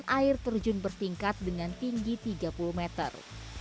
air terjun bertingkat dengan tinggi tiga puluh meter